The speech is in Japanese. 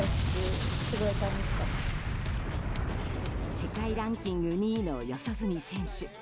世界ランキング２位の四十住選手。